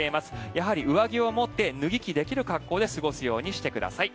やはり上着を持って脱ぎ着できる格好で過ごすようにしてください。